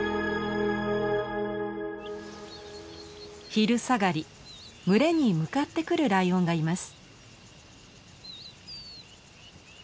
昼下がり群れに向かってくるライオンがいます。